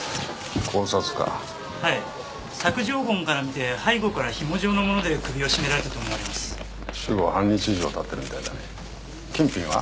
絞殺かはい索状痕から見て背後からひも状のもので首を絞められたと思われます死後半日以上はたってるみたいだね金品は？